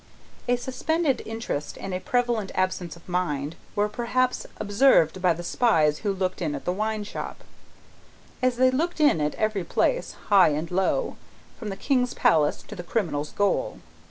A suspended interest and a prevalent absence of mind, were perhaps observed by the spies who looked in at the wine shop, as they looked in at every place, high and low, from the king's palace to the criminal's gaol.